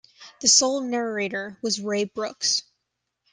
The sole narrator was Ray Brooks.